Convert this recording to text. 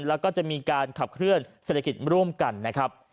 แล้วก็จะมีการขับเคลื่อนเศรษฐกิจร่วมกันนะครับ